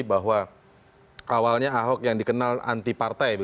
bahwa awalnya ahok yang dikenal anti partai